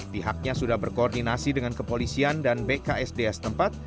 pihaknya sudah berkoordinasi dengan kepolisian dan bksds tempat